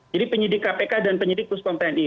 jadi penyidik kpk dan penyidik puspon pni